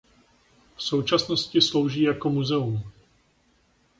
V současnosti slouží jako muzeum.